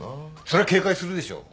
そりゃ警戒するでしょう。